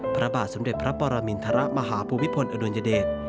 พระบาทสมเด็จพระปรมินทรมาฮภูมิพลอดุลยเดช